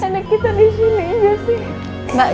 anak kita disini jessy